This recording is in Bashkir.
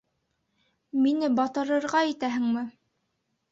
Мине батырырға итәһеңме?